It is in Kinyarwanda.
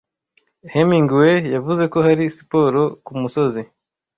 Hemmingway yavuze ko hari siporo ku Umusozi